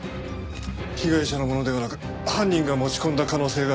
被害者のものではなく犯人が持ち込んだ可能性が高いと。